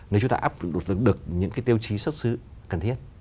nếu chúng ta áp dụng được những cái tiêu chí xuất sứ cần thiết